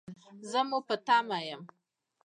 زه مو په تمه یم